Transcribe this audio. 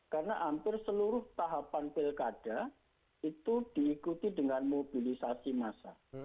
karena hampir seluruh tahapan pilkada itu diikuti dengan mobilisasi massa